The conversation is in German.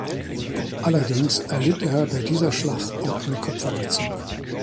Allerdings erlitt er bei dieser Schlacht auch eine Kopfverletzung.